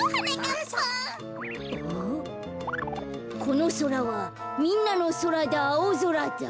「このそらはみんなのそらだあおぞらだ」。